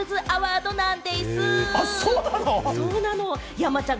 山ちゃん。